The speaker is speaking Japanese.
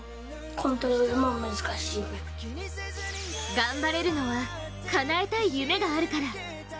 頑張れるのはかなえたい夢があるから。